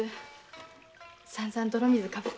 さんざん泥水かぶったし。